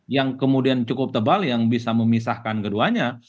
yang kemudian cukup tebal yang bisa memisahkan keduanya